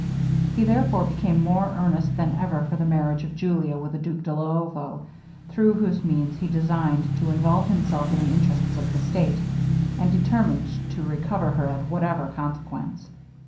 He therefore became more earnest than ever for the marriage of Julia with the Duke de Luovo, through whose means he designed to involve himself in the interests of the state, and determined to recover her at whatever consequence.